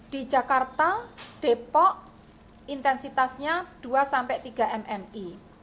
di jakarta depok intensitasnya dua sampai tiga mmi